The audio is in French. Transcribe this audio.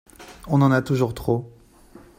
On en a toujours trop.